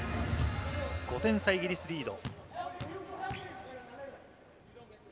５点差、イギリスリード。